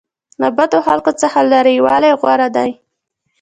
له بدو خلکو څخه لرې والی غوره دی.